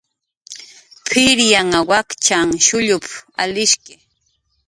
"P""iryanw wakchan shullup"" alishki"